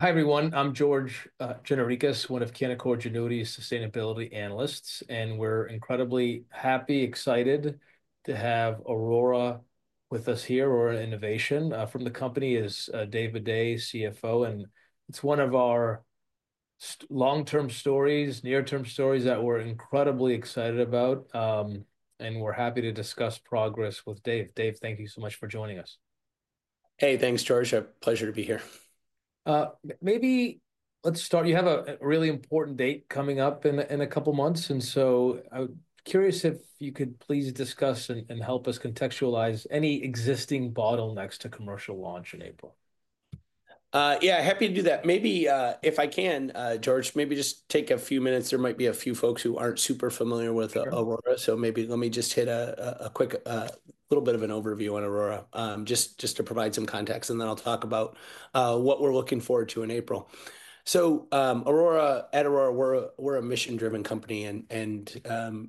Hi, everyone. I'm George Gianarikas, one of Canaccord Genuity's sustainability analysts, and we're incredibly happy, excited to have Aurora with us here. Aurora Innovation from the company is David Maday, CFO, and it's one of our long-term stories, near-term stories that we're incredibly excited about, and we're happy to discuss progress with Dave. Dave, thank you so much for joining us. Hey, thanks, George. A pleasure to be here. Maybe let's start. You have a really important date coming up in a couple of months, and so I'm curious if you could please discuss and help us contextualize any existing bottlenecks to commercial launch in April. Yeah, happy to do that. Maybe if I can, George, maybe just take a few minutes. There might be a few folks who aren't super familiar with Aurora, so maybe let me just hit a quick little bit of an overview on Aurora just to provide some context, and then I'll talk about what we're looking forward to in April, so at Aurora, we're a mission-driven company, and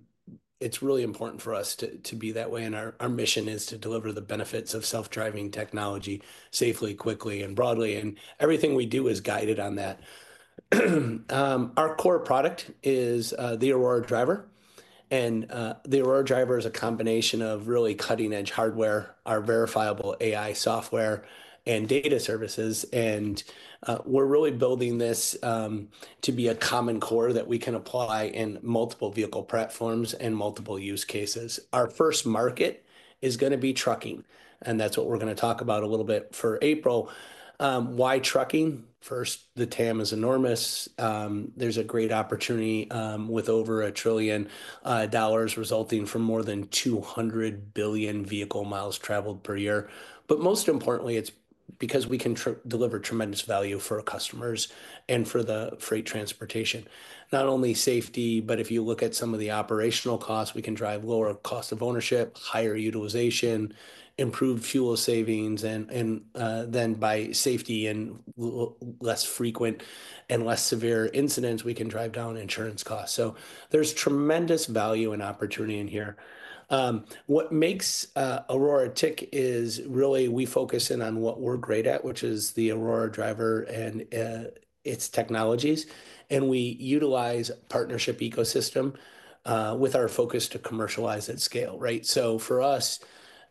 it's really important for us to be that way, and our mission is to deliver the benefits of self-driving technology safely, quickly, and broadly, and everything we do is guided on that. Our core product is the Aurora Driver, and the Aurora Driver is a combination of really cutting-edge hardware, our verifiable AI software, and data services, and we're really building this to be a common core that we can apply in multiple vehicle platforms and multiple use cases. Our first market is going to be trucking, and that's what we're going to talk about a little bit for April. Why trucking? First, the TAM is enormous. There's a great opportunity with over $1 trillion resulting from more than 200 billion vehicle miles traveled per year. But most importantly, it's because we can deliver tremendous value for our customers and for the freight transportation. Not only safety, but if you look at some of the operational costs, we can drive lower cost of ownership, higher utilization, improved fuel savings, and then by safety and less frequent and less severe incidents, we can drive down insurance costs. So there's tremendous value and opportunity in here. What makes Aurora tick is really we focus in on what we're great at, which is the Aurora Driver and its technologies, and we utilize a partnership ecosystem with our focus to commercialize at scale, right? So for us,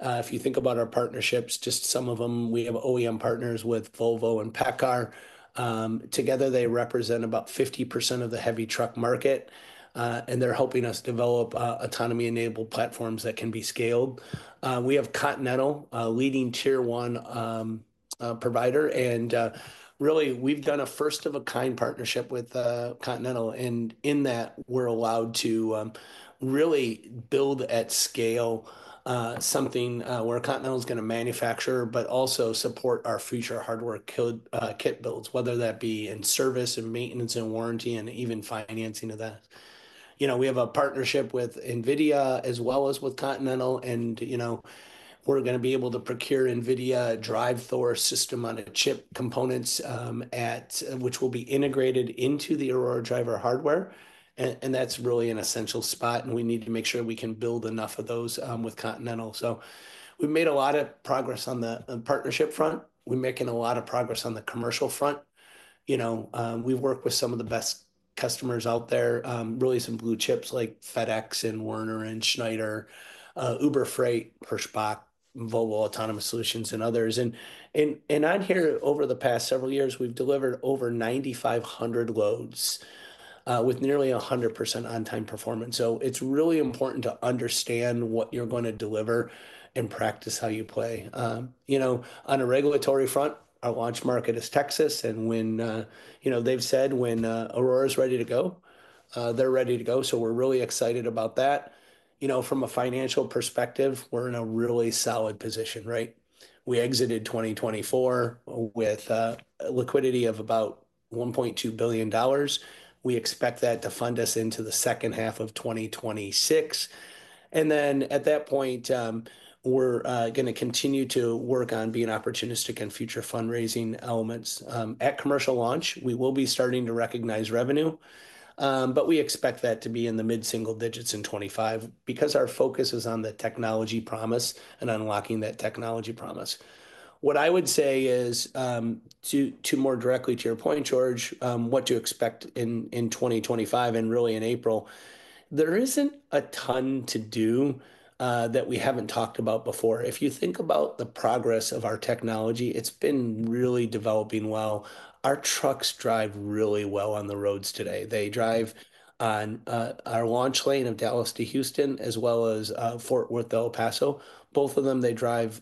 if you think about our partnerships, just some of them, we have OEM partners with Volvo and PACCAR. Together, they represent about 50% of the heavy truck market, and they're helping us develop autonomy-enabled platforms that can be scaled. We have Continental, a leading Tier 1 provider, and really we've done a first-of-its-kind partnership with Continental, and in that, we're allowed to really build at scale something where Continental is going to manufacture, but also support our future hardware kit builds, whether that be in service and maintenance and warranty and even financing of that. You know, we have a partnership with NVIDIA as well as with Continental, and you know we're going to be able to procure NVIDIA DRIVE Thor system on a chip components which will be integrated into the Aurora Driver hardware, and that's really an essential spot, and we need to make sure we can build enough of those with Continental. So we've made a lot of progress on the partnership front. We're making a lot of progress on the commercial front. You know, we work with some of the best customers out there, really some blue chips like FedEx and Werner and Schneider, Uber Freight, Hirschbach, Volvo Autonomous Solutions, and others. And on here, over the past several years, we've delivered over 9,500 loads with nearly 100% on-time performance. So it's really important to understand what you're going to deliver and practice how you play. You know, on a regulatory front, our launch market is Texas, and when you know they've said when Aurora is ready to go, they're ready to go, so we're really excited about that. You know, from a financial perspective, we're in a really solid position, right? We exited 2024 with liquidity of about $1.2 billion. We expect that to fund us into the second half of 2026, and then at that point, we're going to continue to work on being opportunistic and future fundraising elements. At commercial launch, we will be starting to recognize revenue, but we expect that to be in the mid-single digits in 2025 because our focus is on the technology promise and unlocking that technology promise. What I would say is, to more directly to your point, George, what to expect in 2025 and really in April, there isn't a ton to do that we haven't talked about before. If you think about the progress of our technology, it's been really developing well. Our trucks drive really well on the roads today. They drive on our launch lane of Dallas to Houston as well as Fort Worth to El Paso. Both of them, they drive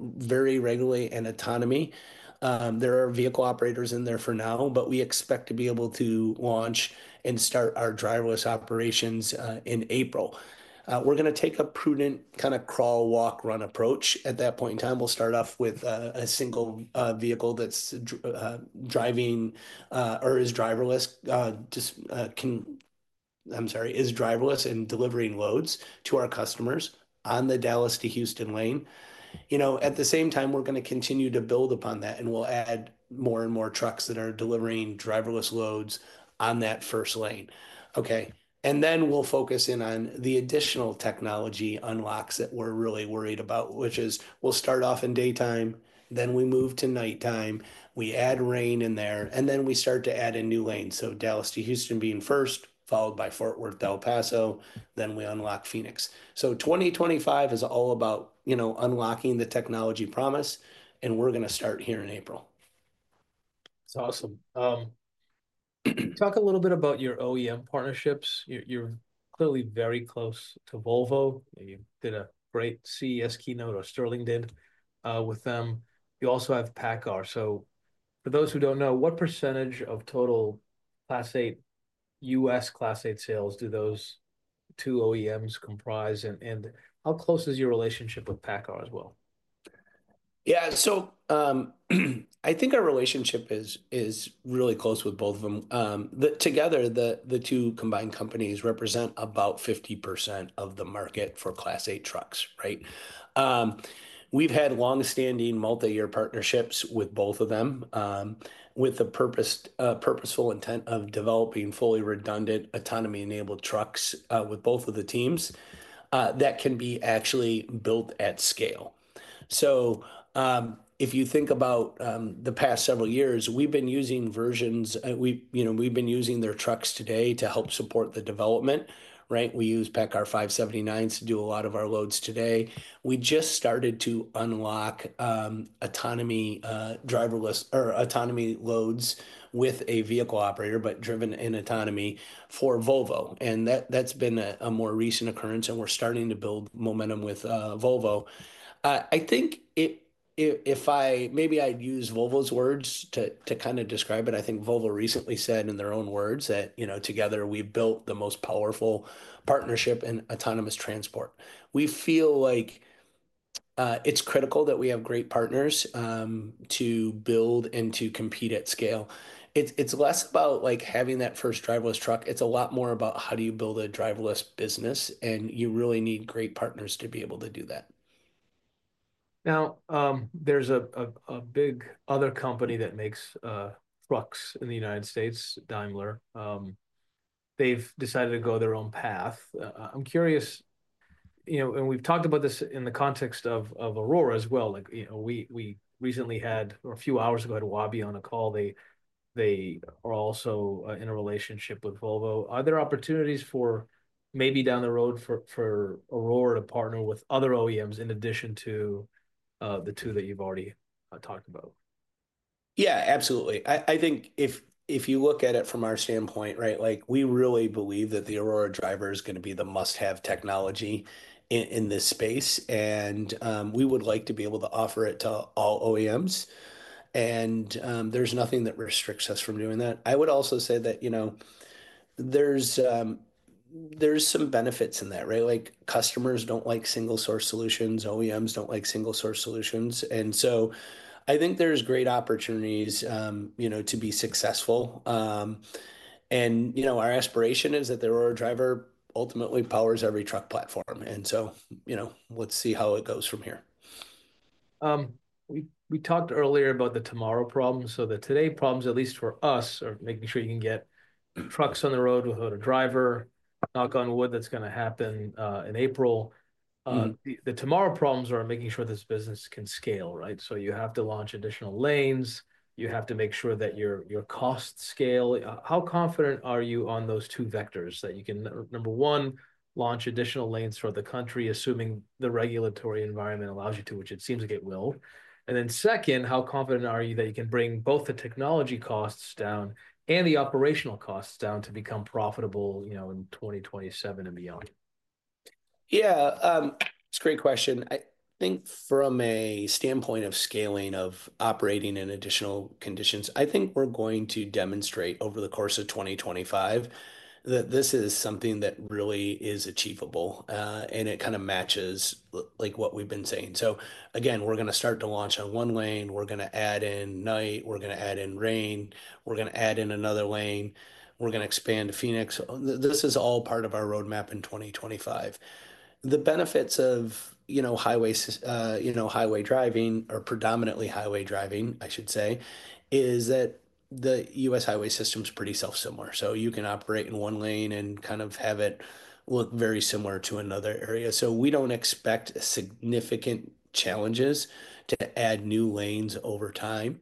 very regularly and autonomy. There are vehicle operators in there for now, but we expect to be able to launch and start our driverless operations in April. We're going to take a prudent kind of crawl, walk, run approach at that point in time. We'll start off with a single vehicle that's driving or is driverless, I'm sorry, is driverless and delivering loads to our customers on the Dallas to Houston lane. You know, at the same time, we're going to continue to build upon that, and we'll add more and more trucks that are delivering driverless loads on that first lane. Okay, and then we'll focus in on the additional technology unlocks that we're really worried about, which is we'll start off in daytime, then we move to nighttime, we add rain in there, and then we start to add a new lane, so Dallas to Houston being first, followed by Fort Worth to El Paso, then we unlock Phoenix, so 2025 is all about, you know, unlocking the technology promise, and we're going to start here in April. That's awesome. Talk a little bit about your OEM partnerships. You're clearly very close to Volvo. You did a great CES keynote or Sterling did with them. You also have PACCAR. So for those who don't know, what percentage of total Class 8 U.S. Class 8 sales do those two OEMs comprise, and how close is your relationship with PACCAR as well? Yeah, so I think our relationship is really close with both of them. Together, the two combined companies represent about 50% of the market for Class 8 trucks, right? We've had longstanding multi-year partnerships with both of them with the purposeful intent of developing fully redundant autonomy-enabled trucks with both of the teams that can be actually built at scale. So if you think about the past several years, we've been using versions, you know, we've been using their trucks today to help support the development, right? We use PACCAR 579s to do a lot of our loads today. We just started to unlock autonomy driverless or autonomy loads with a vehicle operator, but driven in autonomy for Volvo. And that's been a more recent occurrence, and we're starting to build momentum with Volvo. I think if I maybe I'd use Volvo's words to kind of describe it. I think Volvo recently said in their own words that, you know, together we've built the most powerful partnership in autonomous transport. We feel like it's critical that we have great partners to build and to compete at scale. It's less about like having that first driverless truck. It's a lot more about how do you build a driverless business, and you really need great partners to be able to do that. Now, there's a big other company that makes trucks in the United States, Daimler. They've decided to go their own path. I'm curious, you know, and we've talked about this in the context of Aurora as well. Like, you know, we recently had, or a few hours ago, had Waabi on a call. They are also in a relationship with Volvo. Are there opportunities for maybe down the road for Aurora to partner with other OEMs in addition to the two that you've already talked about? Yeah, absolutely. I think if you look at it from our standpoint, right, like we really believe that the Aurora Driver is going to be the must-have technology in this space, and we would like to be able to offer it to all OEMs, and there's nothing that restricts us from doing that. I would also say that, you know, there's some benefits in that, right? Like customers don't like single-source solutions. OEMs don't like single-source solutions. And so I think there's great opportunities, you know, to be successful. And you know, our aspiration is that the Aurora Driver ultimately powers every truck platform. And so, you know, let's see how it goes from here. We talked earlier about the tomorrow problems. So the today problems, at least for us, are making sure you can get trucks on the road without a driver, knock on wood, that's going to happen in April. The tomorrow problems are making sure this business can scale, right? So you have to launch additional lanes. You have to make sure that your costs scale. How confident are you on those two vectors that you can, number one, launch additional lanes for the country, assuming the regulatory environment allows you to, which it seems like it will? And then second, how confident are you that you can bring both the technology costs down and the operational costs down to become profitable, you know, in 2027 and beyond? Yeah, it's a great question. I think from a standpoint of scaling, of operating in additional conditions, I think we're going to demonstrate over the course of 2025 that this is something that really is achievable, and it kind of matches like what we've been saying. So again, we're going to start to launch on one lane. We're going to add in night. We're going to add in rain. We're going to add in another lane. We're going to expand to Phoenix. This is all part of our roadmap in 2025. The benefits of, you know, highway, you know, highway driving or predominantly highway driving, I should say, is that the U.S. highway system is pretty self-similar. So you can operate in one lane and kind of have it look very similar to another area. So we don't expect significant challenges to add new lanes over time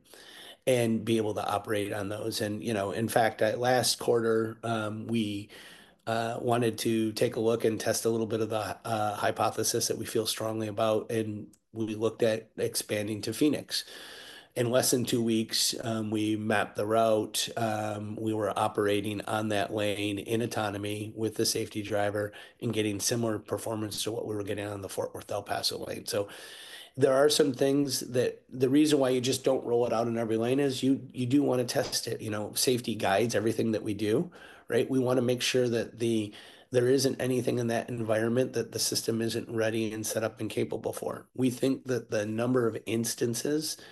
and be able to operate on those. And you know, in fact, last quarter, we wanted to take a look and test a little bit of the hypothesis that we feel strongly about, and we looked at expanding to Phoenix. In less than two weeks, we mapped the route. We were operating on that lane in autonomy with the safety driver and getting similar performance to what we were getting on the Fort Worth, El Paso lane. So there are some things that the reason why you just don't roll it out in every lane is you do want to test it, you know, safety guides, everything that we do, right? We want to make sure that there isn't anything in that environment that the system isn't ready and set up and capable for. We think that the number of instances that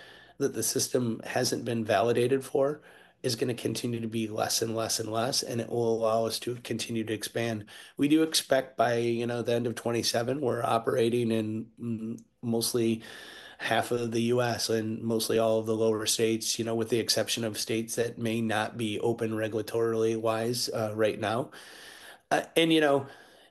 the system hasn't been validated for is going to continue to be less and less and less, and it will allow us to continue to expand. We do expect by, you know, the end of 2027, we're operating in mostly half of the U.S. and mostly all of the lower states, you know, with the exception of states that may not be open regulatory-wise right now, and you know,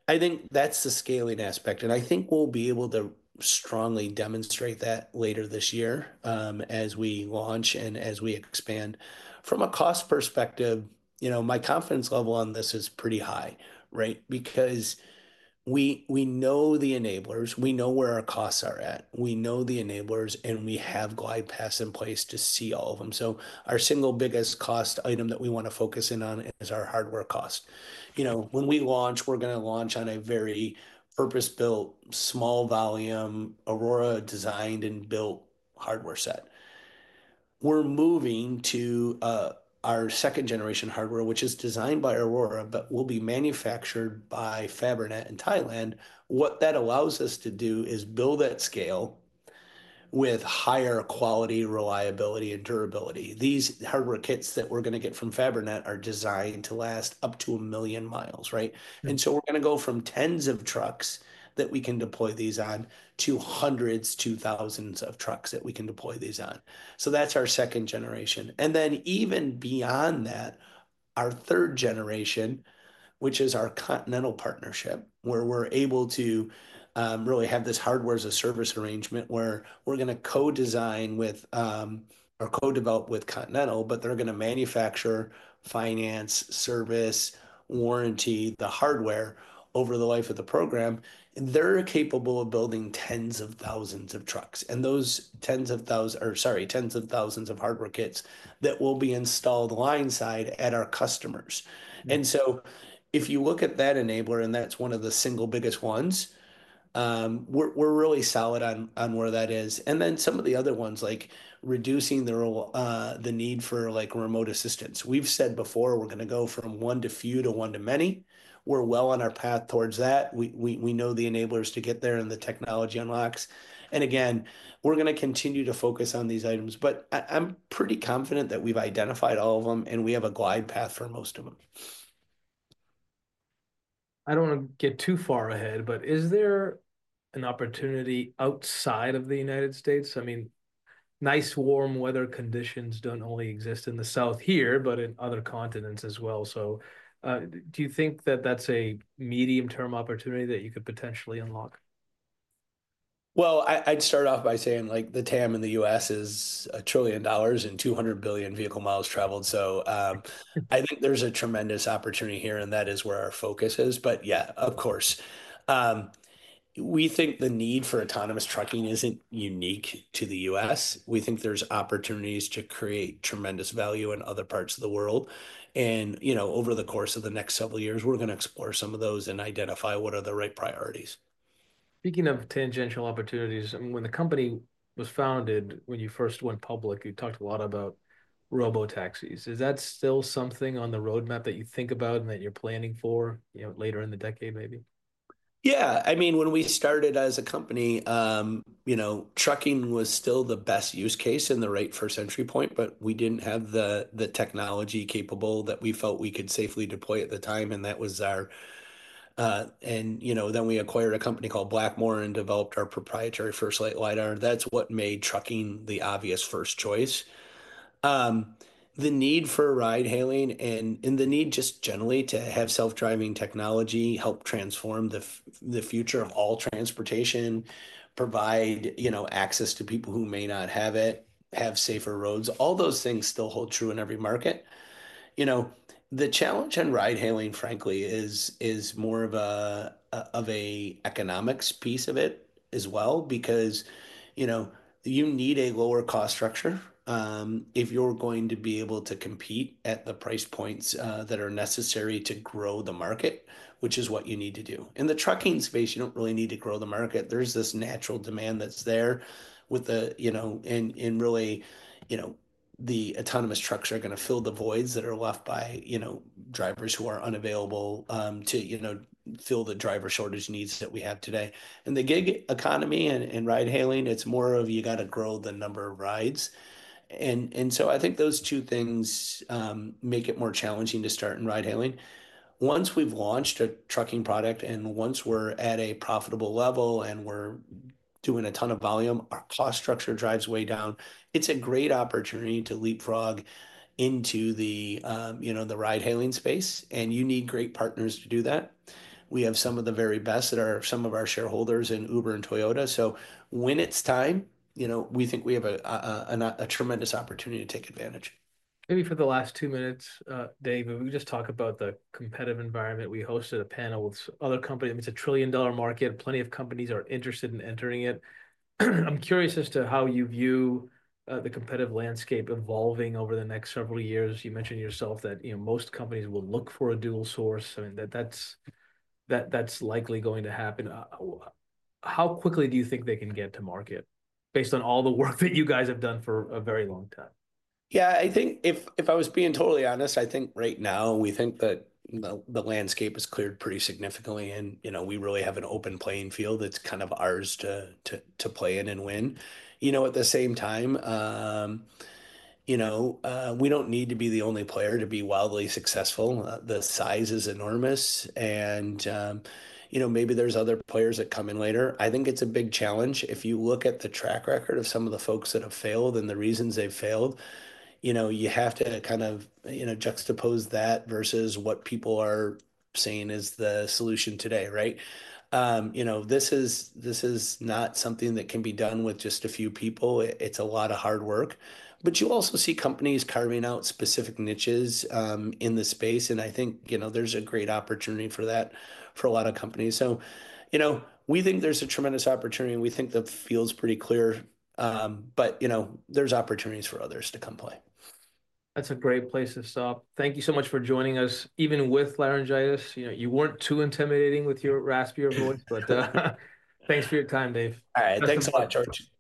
I think that's the scaling aspect, and I think we'll be able to strongly demonstrate that later this year as we launch and as we expand. From a cost perspective, you know, my confidence level on this is pretty high, right? Because we know the enablers. We know where our costs are at. We know the enablers, and we have glide paths in place to see all of them. So our single biggest cost item that we want to focus in on is our hardware cost. You know, when we launch, we're going to launch on a very purpose-built, small-volume, Aurora-designed and built hardware set. We're moving to our second-generation hardware, which is designed by Aurora, but will be manufactured by Fabrinet in Thailand. What that allows us to do is build at scale with higher quality, reliability, and durability. These hardware kits that we're going to get from Fabrinet are designed to last up to a million miles, right? And so we're going to go from tens of trucks that we can deploy these on to hundreds to thousands of trucks that we can deploy these on. So that's our second generation. And then even beyond that, our third generation, which is our Continental partnership, where we're able to really have this Hardware-as-a-Service arrangement where we're going to co-design with or co-develop with Continental, but they're going to manufacture, finance, service, warranty the hardware over the life of the program. And they're capable of building tens of thousands of trucks and those tens of thousands or, sorry, tens of thousands of hardware kits that will be installed alongside our customers. And so if you look at that enabler, and that's one of the single biggest ones, we're really solid on where that is. And then some of the other ones, like reducing the need for like remote assistance. We've said before we're going to go from one to few to one to many. We're well on our path towards that. We know the enablers to get there and the technology unlocks. And again, we're going to continue to focus on these items, but I'm pretty confident that we've identified all of them and we have a glide path for most of them. I don't want to get too far ahead, but is there an opportunity outside of the United States? I mean, nice warm weather conditions don't only exist in the South here, but in other continents as well. So do you think that that's a medium-term opportunity that you could potentially unlock? I'd start off by saying like the TAM in the U.S. is $1 trillion and 200 billion vehicle miles traveled. I think there's a tremendous opportunity here, and that is where our focus is. Yeah, of course, we think the need for autonomous trucking isn't unique to the U.S. We think there's opportunities to create tremendous value in other parts of the world. You know, over the course of the next several years, we're going to explore some of those and identify what are the right priorities. Speaking of tangential opportunities, when the company was founded, when you first went public, you talked a lot about robotaxis. Is that still something on the roadmap that you think about and that you're planning for, you know, later in the decade maybe? Yeah. I mean, when we started as a company, you know, trucking was still the best use case and the right first entry point, but we didn't have the technology capable that we felt we could safely deploy at the time, and that was our... And you know, then we acquired a company called Blackmore and developed our proprietary FirstLight Lidar. That's what made trucking the obvious first choice. The need for ride-hailing and the need just generally to have self-driving technology help transform the future of all transportation, provide, you know, access to people who may not have it, have safer roads. All those things still hold true in every market. You know, the challenge in ride-hailing, frankly, is more of an economics piece of it as well because, you know, you need a lower cost structure if you're going to be able to compete at the price points that are necessary to grow the market, which is what you need to do. In the trucking space, you don't really need to grow the market. There's this natural demand that's there with the, you know, and really, you know, the autonomous trucks are going to fill the voids that are left by, you know, drivers who are unavailable to, you know, fill the driver shortage needs that we have today. And the gig economy and ride-hailing, it's more of you got to grow the number of rides. And so I think those two things make it more challenging to start in ride-hailing. Once we've launched a trucking product and once we're at a profitable level and we're doing a ton of volume, our cost structure drives way down. It's a great opportunity to leapfrog into the, you know, the ride-hailing space, and you need great partners to do that. We have some of the very best that are some of our shareholders in Uber and Toyota. So when it's time, you know, we think we have a tremendous opportunity to take advantage. Maybe for the last two minutes, Dave, if we could just talk about the competitive environment. We hosted a panel with other companies. I mean, it's a $1 trillion market. Plenty of companies are interested in entering it. I'm curious as to how you view the competitive landscape evolving over the next several years. You mentioned yourself that, you know, most companies will look for a dual source. I mean, that's likely going to happen. How quickly do you think they can get to market based on all the work that you guys have done for a very long time? Yeah, I think if I was being totally honest, I think right now we think that the landscape has cleared pretty significantly and, you know, we really have an open playing field that's kind of ours to play in and win. You know, at the same time, you know, we don't need to be the only player to be wildly successful. The size is enormous, and you know, maybe there's other players that come in later. I think it's a big challenge. If you look at the track record of some of the folks that have failed and the reasons they've failed, you know, you have to kind of, you know, juxtapose that versus what people are saying is the solution today, right? You know, this is not something that can be done with just a few people. It's a lot of hard work. But you also see companies carving out specific niches in the space. And I think, you know, there's a great opportunity for that for a lot of companies. So, you know, we think there's a tremendous opportunity. We think the field's pretty clear. But, you know, there's opportunities for others to come play. That's a great place to stop. Thank you so much for joining us, even with laryngitis. You know, you weren't too intimidating with your raspier voice, but thanks for your time, Dave. All right. Thanks a lot, George.